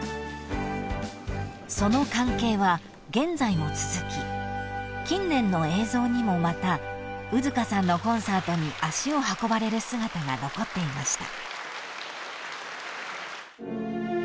［その関係は現在も続き近年の映像にもまた兎束さんのコンサートに足を運ばれる姿が残っていました］